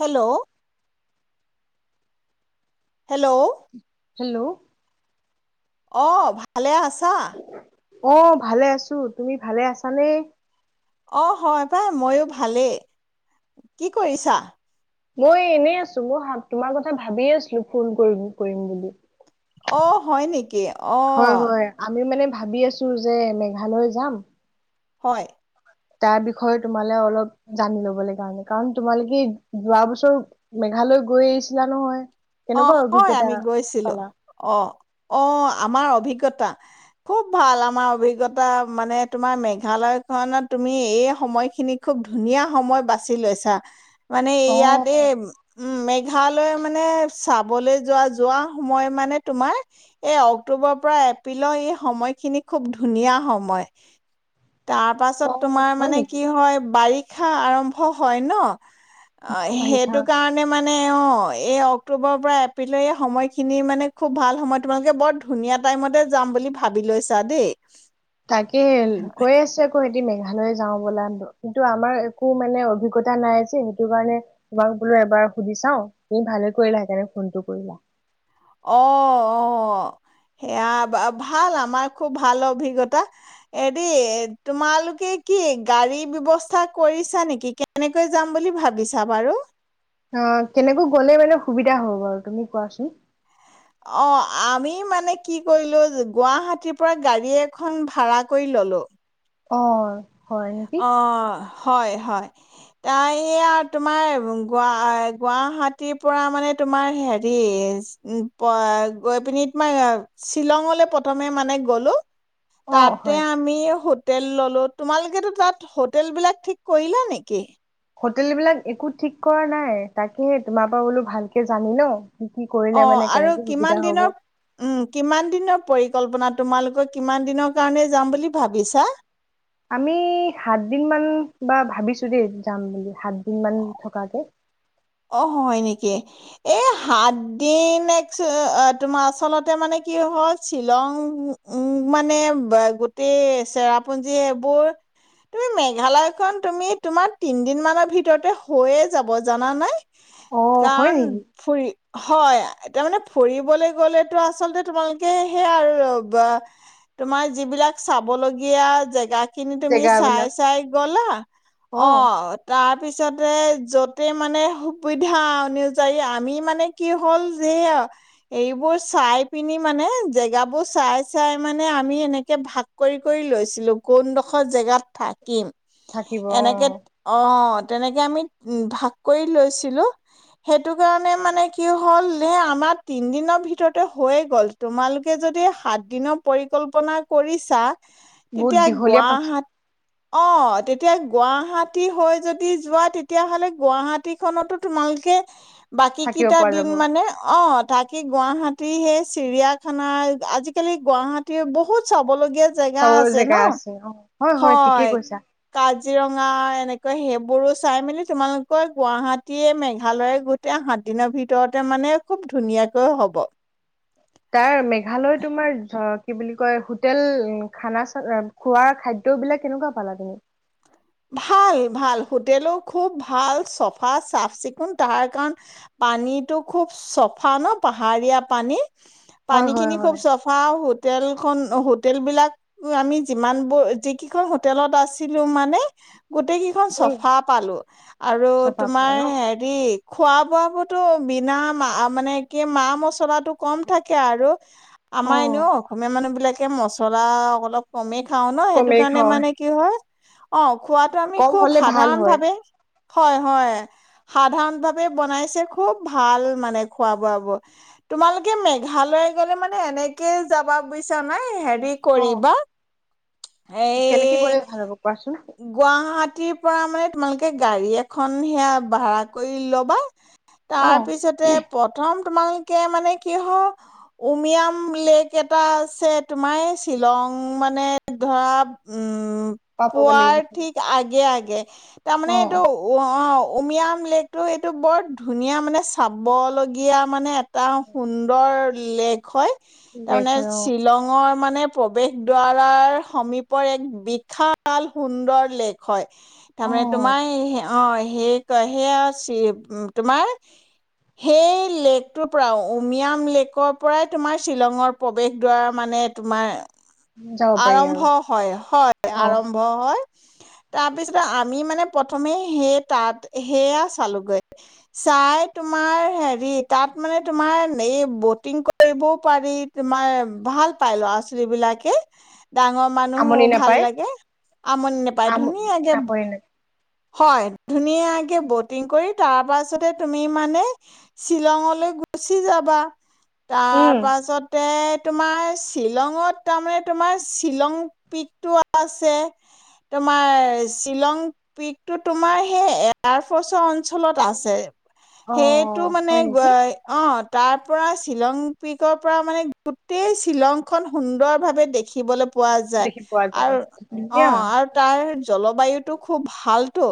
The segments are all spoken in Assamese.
হেল্ল' হেল্ল' হেল্ল' অ' ভালে আছ [inaudible] অ' ভালে আছো। তুমি ভালে আছানে? অ' হয় পাই ময়ো ভালেই। কি কৰিছা? মই এনে আছো মই তোমাৰ কথা ভাবিয়ে আছিলো ফোন কৰিম কৰিম বুলি অ' হয় নেকি হয় অ' হয় আমি মানে ভাবি আছো যে মেঘালয় যাম। হয়। তাৰ বিষয়ে তোমালে অলপ জানি লবলৈ কাৰণে কাৰণ তোমালোকে যোৱা বছৰ মেঘালয় গৈ আহিছিলা নহয়। কেনেকুৱা অহ হয় অভিজ্ঞতা আমি গৈছিলো পালা অহ অহ। আমাৰ অভিজ্ঞতা খুব ভাল আমাৰ অভিজ্ঞতা মানে তোমাৰ মেঘালয় খনত তুমি এই সময়খিনি খুব ধুনীয়া সময় বাছি লৈছা। মানে অ ইয়াতে, উম মেঘালয় মানে, চাবলৈ যোৱা যোৱা সময় মানে তোমাৰ এই অক্টোবোৰৰ পৰা এপ্ৰিলৰ এই সময়খিনি খুব ধুনীয়া সময়। তাৰ পাছত অ তোমাৰ হয় মানে নেকি কি হয় বাৰিষা আৰাম্ভ, হয় ন! অ' বাৰিষা সেইটো কাৰণে মা মানে অ'এই অক্টোবৰৰ পৰা এপ্ৰিলৰ এই সময়খিনি মানে খুব ভাল সময় তোমালোকে বৰ ধুনীয়া টাইমতে যাম বুলি ভাবি লৈছা দেই। তাকে কৈ আছোঁ আকৌ মেঘালয় যাওঁ বলা, কিন্তু আমাৰ একো মানে অভিজ্ঞতা নাই যে সেইটো কাৰণে তোমাক বোলো এবাৰ সুধি চাও তুমি ভালে কৰিলা সেইকাৰণে ফোনটো কৰিলা। অ-অ সেয়া ভাল, আমাৰ খুব ভাল অভিজ্ঞতা, এৰি তোমালোকে কি গাড়ী ব্যৱস্থা কৰিছা নেকি? কেনেকৈ যাম বুলি ভাবিছা বাৰু? অ, কেনেকৈ গ'লে মানে সুবিধা হব বাৰু তুমি কোৱাচোন? অ আমি মানে কি কৰিলোঁ, গুৱাহাটীৰ পৰা গাড়ী এখন ভাড়া কৰি ললোঁ। অ হয় নেকি অহ' হয়, হয়, তাই এইয়া তোমাৰ গু গুৱাহাটীৰ পৰা মানে তোমাৰ হেৰি পা গৈ পিনি তোমাৰ শ্বিলংলৈ প্ৰথমে মানে গলোঁ। অ তাতে হয় আমি হো তেল ল'লো, তোমালোকেতো তাত হোটেল বিলাক ঠিক কৰিলা নেকি? হোটেল বিলাক একো ঠিক কৰা নাই, তাকে তোমাৰ পৰা বোলো ভালকে জানি লওঁ। অ আৰু কিমান দিনৰ উম কিমান দিনৰ প কল্পনা, তোমালোকৰ কিমান দিনৰ কাৰণে যাম বুলি ভাবিছা? আমি, সাতদিন মান বা ভাবিছোঁ দেই যাম বুলি, সাতদিন মান থকাকে। অ' হয় নেকি, এই সাতদিন একচু তোমাৰ আচলতে মানে কি হ'ল শ্বিলং মানে গোটেই চেৰাপুঞ্জী এইবোৰ, তুমি, মেঘালয়খন তুমি তোমাৰ তিনদিন মানৰ ভিতৰতে হৈয়ে যাব জানানে। অ হয় কাৰণ নেকি ফুৰি হয়, তাৰ মানে ফুৰিবলৈ গ'লেতো আচলতে তোমালোকে সেই আৰু তোমাৰ যিবিলাক চাবলগীয়া জেগা খিনি তুমি চাই জেগাবিলাক চাই গ'লা অ' তাত পিছতে য'তে মানে খু সুবিধা অনুযায়ী আমি মানে কি হ'ল যে এইবোৰ চাই পিনি মানে জেগাবোৰ চাই চাই মানে আমি এনেকে ভাগ কৰি কৰি লৈছিলোঁ কোনডোখৰ জেগাত থাকিম। থাকিব অ এনেকে অ। তেনেকে আমি ভাগ কৰি লৈছি সেইটো কাৰণে মানে কি হ'ল যে আমাৰ তিনদিনৰ ভিতৰতে হৈয়ে গ'ল, তোমালোকে যদি সাত দিনৰ পৰিকল্পনা কৰিছা বহুত তেতিয়া দীঘলীয়া গুৱাহাট অ, তেতিয়া গুৱাহাটী হৈ যদি যোৱা তেতিয়াহ'লে গুৱাহাটীখনতো তোমালোকে বাকী থাকিব কেইটা পৰা দিন যাব মানে, অ থাকি গুৱাহাটী সেই চিৰিয়াখানা, আজিকালি গুৱাহাটীৰ বহুত চব লগীয়া জেগা চাবৰ আছে ন, জেগা আছে অ ঠিকেই হয়, কৈছা কাজি কাজিৰঙা এনেকৈ সেইবোৰো চাই মেলি তোমালোকৰ গুৱাহাটী [unintelligible] মেঘালয় গোটে সাত দিনৰ ভিতৰতে মানে খুব ধুনীয়াকৈ হ'ব। তাৰ, মেঘালয় তোমাৰ কি বুলি কয় হোটেল খানা চা খোৱা খাদ্যবিলাক কেনেকুৱা পালা তুমি? ভাল-ভাল, হোটেলো খুব ভাল চফা চাফ-চিকুণ তাৰ, কাৰণ পানীটো খুব চফা ন পাহাৰীয়া পানী। হয় পানী হয় খিনি হয় খুব চফা সু টেলখন হোটেলবিলাক আমি যিমানবোৰ যিকেইখন হোটেলত আছিলো মানে [inaudible] গোটেইকিখন উম চফা পালো। আৰু চফা পালা তোমাৰ ন হেৰি খোৱা-বোৱা বোৰতো বিনা মা মানে কি মা মচলাটো কম থাকে আৰু অ আমাৰ এনেও অসমীয়া মানুহ বিলাক এ মছলা অলপ কমে খাওঁ ন, সেইটো কমেই কাৰণে খাওঁ মানে কি হয় অঁ। খোৱাটো আমি কম খুব হলে ভাল সাধাৰণ হয় ভাৱে হয় হয়। সাধাৰণ ভাৱে বনাইছে খুব ভাল মানে খোৱা বোৱা বোৰ। তোমালোকে মেঘালয় গলে মানে এনেকেই যাবা বুইছা নাই কি অ কৰিবা। কেনেকে এই গ'লে ভাল হ'ব কোৱাচোন? গুৱাহাটীৰ পৰা মানে তোমালোকে গাড়ী এখন সেয়া ভাড়া কৰি ল'বা। অ তাৰ পিছতে প্ৰথম তোমালোকে মানে কিহ উমিয়াম লেক এটা আছে তোমাৰে শ্বিলং মানে ধৰা উ পাবগৈ লাগিব পুৱাৰ চাগে ঠিক আগে আগ তাৰমানে অ অ এইটো উ অ উমিয়াম লেকটো সেইটো বৰ ধুনীয়া মানে চাবলগীয়া মানে এটা সুন্দৰ লেক হয়। তাৰ লেক মানে হয় অ শ্বিলঙৰ মানে প্ৰৱেশ দ্বাৰাৰ সমীপৰ এক বিশা ভাল সুন্দৰ লেক হয়। অ তাৰমানমানে তোমাই হে অ সেই কয় সেয়া আছিপ তোমাৰ সেই লেকটোৰ পৰাও উমিয়াম লেকৰ পৰাই তোমাৰ শ্বিলঙৰ প্ৰৱেশ দ্বাৰা মানে তোমাৰ যাব পাৰি আৰু আৰম্ভ হয়, হয় আৰম অ হয় তাৰপিছত আমি মানে প্ৰথমে সেই তাত সেয়া চালোগৈ, চাই তোমাৰ হেৰি তাত মানে তোমাৰ এই বটিং কৰিবও পাৰি তোমাৰ ভাল পাই লৰা-ছোৱালীবিলাকে ডাঙৰ মানুহো আমনি ভাল নাপায় লাগে। আমনি নেপায় আম ধনীয়াগে নাপায় হয় ধুনীয়াকে বটিং কৰি তাৰ পাছতে তুমি মানে শ্বিলঙলৈ গুচি যাবা। উম তাৰপাছতে তোমাৰ শ্বিলঙত তাৰমানে তোমাৰ শ্বিলং পিকটো [unintelligible] ছে তোমাৰ শ্বিলং পিকটো তোমাৰ সেই এয়াৰফৰ্চৰ অঞ্চলত আছে। অ সেইটো মানে হয় নেকি অ। তাৰ পৰা শ্বিলং পিকৰ পৰা মানে গোটেই শ্বিলংখন সুন্দৰভাৱে দেখিবলৈ পোৱা যায় দেখি পোৱা যায় আৰু অ ধুনীয়া আৰু তাৰ জলবায়ুটো খুব ভাল। ফাল্টু,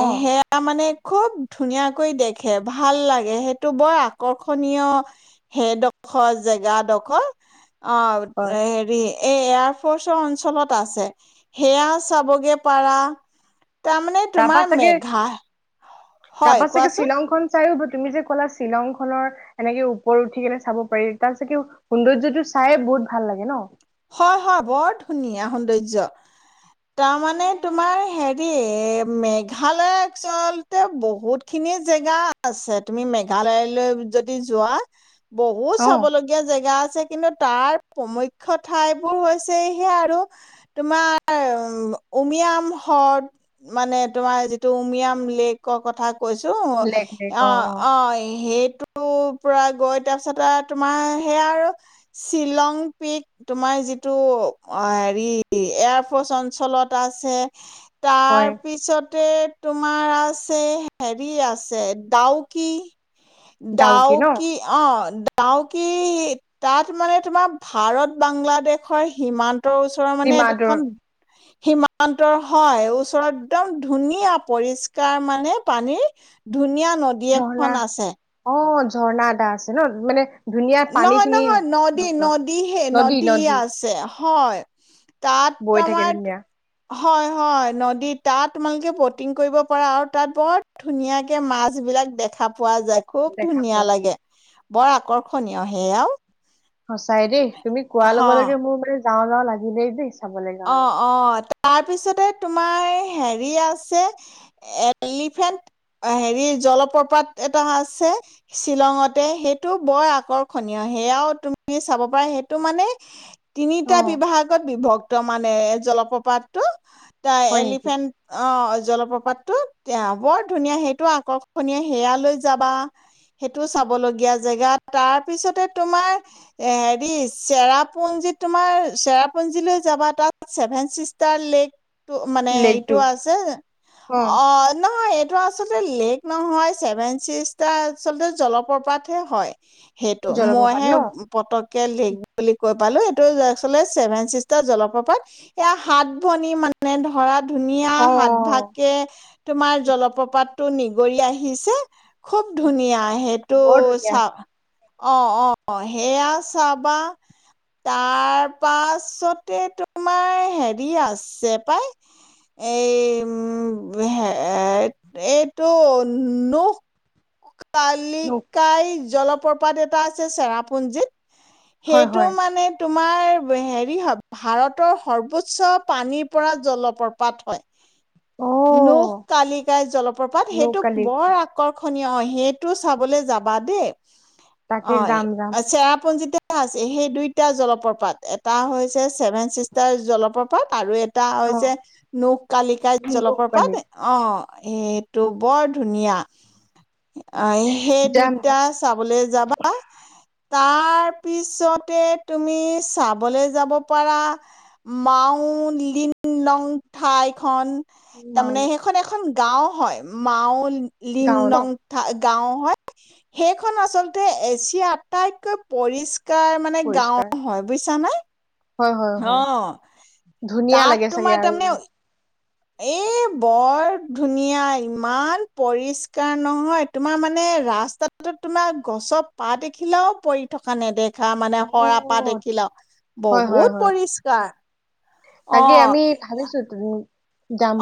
অ মানে, খুব ধুনীয়াাকৈ দেখে ভাল লাগে সেইটো বৰ আকৰ্ষণীয় সেইডোখৰ জেগাডোখৰ। অ হয় হেৰি, এই এয়াৰফ'ৰ্চৰ অঞ্চলত, আছে সেয়া চাবগে পাৰা, তাৰমানমানে তোমাৰ মেঘা হয় তাৰপাছাগে কোৱাচোন শ্বিলংখন চাইো তুমি যে ক'লা শ্বিলং খনৰ এনেকে ওপৰ উথি কেনে চাব পাৰি তাৰিছত কি সৌন্দৰ্যটো চাই বহুত ভাল লাগে ন হয় হয় বৰ ধুনীয়া সৌন্দৰ্য তাৰমানে তোমাৰ হেৰি মেঘালয় আচলতে বহুত খিনি জেগা আছে তুমি মেঘালয়লৈ যদি যোৱা বহুত অ চাব লগগীয়া জেগা আছে। কিন্তু তাৰ প্ৰ [unintelligible] ঠাইবোৰ হৈছে সেয়া আৰু তোমাৰ উমিয়াম হ্ৰদ মানে তোমাৰ যিটো উমিয়াম লেকৰ কথা। কৈছো অ' অ' সেইটো। পৰা গৈ তাৰপিছত তোমাৰ সেইয়া আৰু শ্বিলং। কি তোমাৰ যিটো অ হেৰি এয়াৰফৰ্চ অঞ্চলত আছে, হয় তাৰ পিছত, তে তোমাৰ আছে হেৰি আছে ডাউকী - দাও ডাউকি ন কি অ [unintelligible] ডাউকী তাত মানে তোমাৰ- ভাৰত বাংলাদেশৰ সীমান্- ৰ ওচৰৰ মানে ডিমাটোৰ এখন- সীমান্তৰ হয় ওচৰত একদম ধুনীয়া পৰিষ্কাৰ মানে পানীৰ ধুনীয়া- নদী এখন ঝৰ্ণা আছে। অ ঝৰ্ণা এদটা আছে ন মানে- ধুনীয়া পানী নহয় খিনি -নহয় নদী -নদীহে -নদী আছে। হয়- তাত বৈ থাকে আমাৰ, ধুনীয়া হয় -হয় নদীত- তাত তোমালোকে বটিং কৰিব পাৰা আৰু তাত বৰ ধুনীয়াকে মাছ বিলাক দেখা পোৱা যায়। খুব দেখা ধুনীয়া পোৱা যায়। লাগে। বৰ আকৰ্ষ হনিহয় সেয়াও সঁচাই দেই, তুমি কোৱাৰ হ লগে লাগে মোৰ মানে- যাওঁ যাওঁ লাগিলেই দেই। চাবলৈ অ কাৰণে -অ তাৰপিছতে- তোমাৰ হেৰি আছে এলিফেন্ট হেৰি জলপ্ৰপাত এটা আছে শ্বিলঙতে সেইটো বৰ আকৰ্ষণীয় সেয়াও তুমি চাব পৰা সেইটো মানে তিনিটা অ বিভাগত বিভক্ত ত মানে জলপ্ৰপাতটো এ হয় নেকি এলিফেণ্ট অ' জলপ্ৰপাত টো এ বৰ ধুনীয়া সেইটো আকৰ্ষণীয় সেয়া লৈ যাবা সেইটো চাব লগীয়া জেগা তাৰ পিছতে তোমাৰ এ হেৰি চেৰাপুঞ্জীত তোমাৰ চেৰাপুঞ্জীলৈ যাবা তাত ছেভেন চিষ্টাৰ লেগ, মানে এইটো লেকটো আছে অ' নহয় টো আচলতে লেক নহয় চছেভেন চটা আচলতে জলপ্ৰপাত হে হয়, সেইটো জলপ্ৰপাত মইহে ন পতককে লেক বুলি কৈ পালো এইটো আচলতে চেভেন চিচটাৰ আ জলপ্ৰপাত এয়া সাত ভনী মানে ধৰা, ধুনীয়া অ সাত ভাগকে তোমাৰ জলপ্ৰপাত টো নিগৰি আহিছে খুব ধুনীয়া সেইটো বৰ ধুনীয়া চও অ' অ' অ' সেয়া চাবা তাৰ পাছত তোমাৰ হেৰি আছে পাই এই উম হ এইটো নখ, নোক পালিকাই জলপ্ৰপাত এটা আছে চেৰাপুঞ্জীত, হয় সেইটো হয় মানে তু তোমাৰ হেৰি হ ভাৰতৰ সৰ্বোচ্চ পানীৰ পৰা জলপ্ৰপাত হয়। অ নৌখ কালিকাই জলপ্ৰপাত সেইটো নৌকালি বৰ আকৰ্ষ ষনীয় অ', সেইটো চাবলৈ যাবা দেই। তাকে অ', যাম যাম আচ্ছা চেৰাপুঞ্জীতো এ আছে সেই দুইটা জলপ্ৰপাত এটা হৈ ছেভেন চিষ্টাৰ জলপ্ৰপাত আৰু এ এটা অ হৈছে নৌখ কালিকাই জলপ্ৰপাত নৌকালি অ'। এইটো বৰ ধুনীয়া। আহ সেই যাম দুইটা যাম চাবলৈ যাবা তাৰ পিছতে তুমি চাবলৈ যাব পৰা মাউ লিং নং ঠাই খন তাৰমানানে মাউলি সেইখন এখন গাঁও হয় মাউল লিং গাঁও ন নংঠাক গাওঁ হয়, সেইখন আচলতে এছিয়া আটাইতকৈ পৰিষ্কাৰ কাৰ মানে গাঁও পৰিষ্কাৰ হয়, বুজিছা নাই। হয়, হয়, হয়, ধুনীয়া তাত লাগে চাগে তোমাৰ আৰু। তাৰমানে এই বৰ ধুনীয়া ইমান পৰিষ্কাৰ নহয়, তোমাৰ মানে ৰাস্তাটোত তোমাৰ গছৰ পাত এখিলাও পৰি থকা নেদখ খা মানে অ সৰা পাত এখিলাও, হয় হয় বহুত হয় পৰিষ্কাৰ। তাকে অ', আমি ভাবিছোঁ [unintelligible]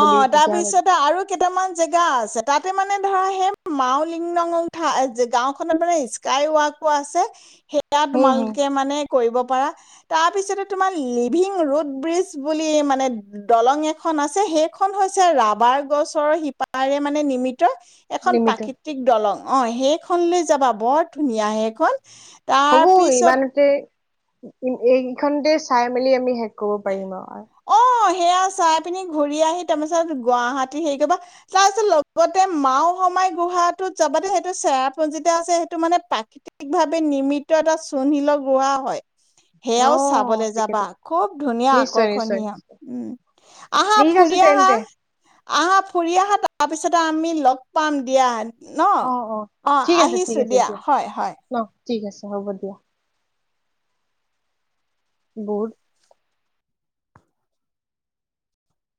অ', তাৰপিছতে আৰু কেটামান জেগা আছে তাতে মানে ধৰা সেই মাওলিং নঙ থাই-জে-গে গাওঁখনত মানে স্কাই ৱাকো আছে। সেতা হম হম তোমালোকে মানে কৰিব পাৰা, তাৰপিছতে তোমাৰ লিভিং ৰোড ব্ৰীজ বুলি মানে দলং এখন আছ ছে সেইখন হৈছে ৰাবাৰ গছৰ শিপাৰে মানে নিমিত [unintelligible] এখন নিমিত পাকিতিক দলং। অ', সেইখনলৈ যাবা বৰ ধুনীয়া সেইখন। হ'ব তাৰপিছত ইমানতে এইগিখনতে চাই মেলি আমি শেষ কৰিব পাৰিম আওঁ। অ', সেয়া চাই পিনি ঘূৰি আহি তাপিছত গুৱাহাটী সেই কেইবা তাপিছত লগতে মাও সমাই গুহাটোত যাবা দে সেটো চেৰাপুঞ্জিতে আছে সেটো মানে প্ৰাকিতিকভাৱে নিমিত এটা চুনশীলৰ গুহা হয়। অ সেয়াও চাবলে ঠিকে যাবা, ঠিকে খুব ধুনীয়া। নিশ্চয় নিশ্চয় কৰ্ষনীয়, নিশ্চয় উম, আহা ঠিক আছে ফুৰি আহা, তেন্তে আহা ফুৰি আহা তাপিছত তা আমি লগ পাম দিয়া। ন' অ অ', ঠিক আছে ঠিক আহিছোঁ আছে দিয়া, হয়, হয়। ন ঠিক আছে, হ'ব দিয়া। বহুত